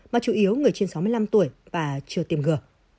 mà chủ yếu người trên sáu mươi năm tuổi và chưa tiêm ngừa